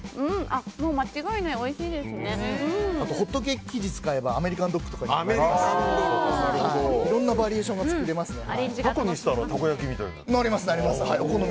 あとホットケーキ生地使えばアメリカンドッグとかもできるのでいろいろなバリエーションが使えますね。